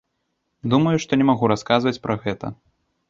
Думаю, што не магу расказваць пра гэта.